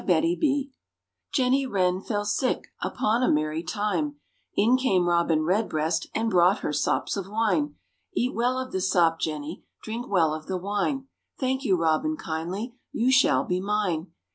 JENNY WREN Jenny Wren fell sick; Upon a merry time, In came Robin Redbreast, And brought her sops of wine. Eat well of the sop, Jenny, Drink well of the wine; Thank you Robin kindly, You shall be mine.